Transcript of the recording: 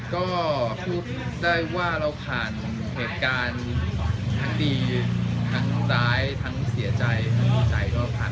ก็พูดได้ว่าเราผ่านเหตุการณ์ทั้งดีทั้งร้ายทั้งเสียใจทั้งดีใจก็ผ่าน